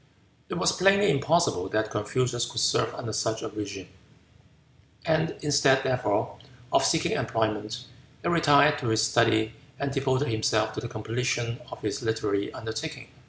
It was plainly impossible that Confucius could serve under such a regime, and instead, therefore, of seeking employment, he retired to his study and devoted himself to the completion of his literary undertaking.